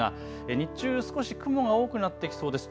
日中少し雲が多くなってきそうです。